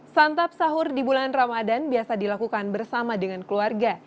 santap sahur di bulan ramadan biasa dilakukan bersama dengan keluarga